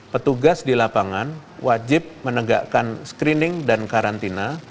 petugas di lapangan wajib menegakkan screening dan karantina